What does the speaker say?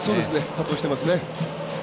活用してますね。